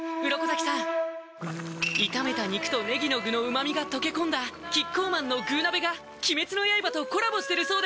鱗滝さん炒めた肉とねぎの具の旨みが溶け込んだキッコーマンの「具鍋」が鬼滅の刃とコラボしてるそうです